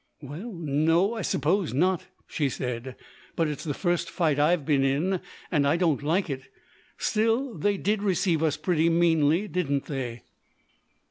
"Well, no, I suppose not," she said; "but it's the first fight I've been in, and I don't like it. Still, they did receive us pretty meanly, didn't they?"